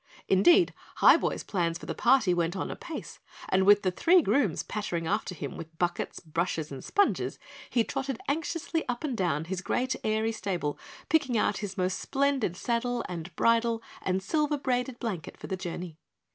Indeed, Highboy's plans for the party went on apace and with the three grooms pattering after him with buckets, brushes, and sponges, he trotted anxiously up and down his great airy stable picking out his most splendid saddle and bridle and silver braided blanket for the journey.